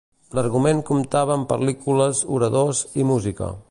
L'argument comptava amb pel·lícules, oradors i música.